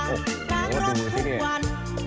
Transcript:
โอ้โฮดูสิเนี่ย